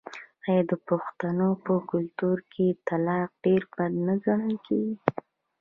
آیا د پښتنو په کلتور کې طلاق ډیر بد نه ګڼل کیږي؟